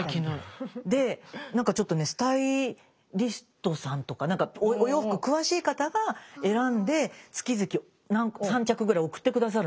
で何かちょっとねスタイリストさんとかお洋服詳しい方が選んで月々３着ぐらい送って下さるの。